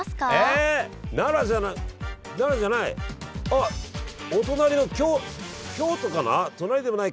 あっお隣の京京都かな？